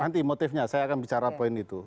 nanti motifnya saya akan bicara poin itu